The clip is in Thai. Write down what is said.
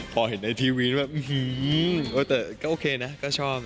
พอเห็นในทีวีว่าแต่ก็โอเคนะก็ชอบ